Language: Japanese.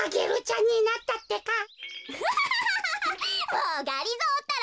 もうがりぞーったら。